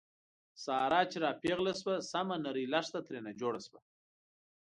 ساره چې را پېغله شوه، سمه نرۍ لښته ترېنه جوړه شوه.